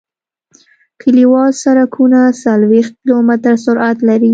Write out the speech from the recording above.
کلیوال سرکونه څلویښت کیلومتره سرعت لري